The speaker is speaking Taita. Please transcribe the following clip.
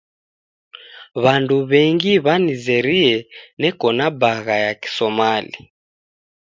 W'andu w'engi w'anizerie neko na bagha ya kiSomali.